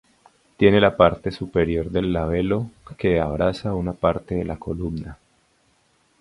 Tienen la parte superior del labelo que abraza una parte de la columna.